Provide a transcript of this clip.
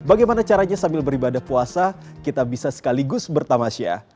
bagaimana caranya sambil beribadah puasa kita bisa sekaligus bertamasya